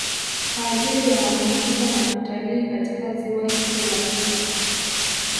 Kwa ajili ya mapumziko na kutalii katika Ziwa hilo la Kivu